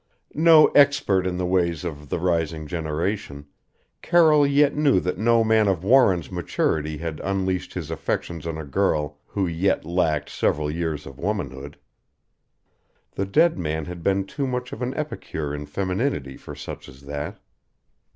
No expert in the ways of the rising generation, Carroll yet knew that no man of Warren's maturity had unleashed his affections on a girl who yet lacked several years of womanhood. The dead man had been too much of an epicure in femininity for such as that.